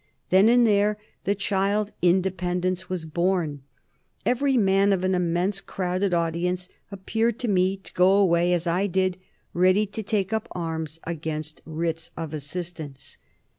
Then and there the child Independence was born. Every man of an immense crowded audience appeared to me to go away as I did, ready to take up arms against Writs of Assistance."